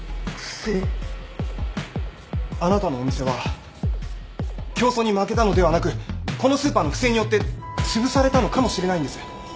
あなたのお店は競争に負けたのではなくこのスーパーの不正によってつぶされたのかもしれないんです。